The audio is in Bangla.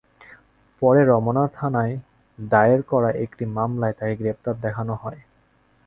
পরে রমনা থানায় দায়ের করা একটি মামলায় তাঁকে গ্রেপ্তার দেখানো হয়।